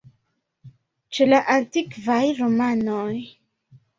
Ĉe la antikvaj romanoj.